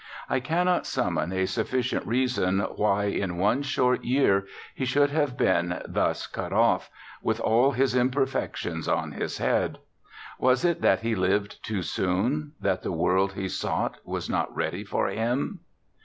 I cannot summon a sufficient reason why in one short year he should have been thus cut off, "with all his imperfections on his head." Was it that he lived too soon, that the world he sought was not ready for him?